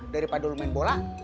daripada lo main bola